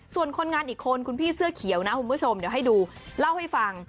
ส่วนคนงานอีกคนคุณพี่เสื้อเขียวนะคุณผู้ชมเดี๋ยวให้ดูเล่าให้ฟัง